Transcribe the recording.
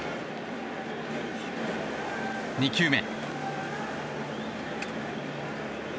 ２球目。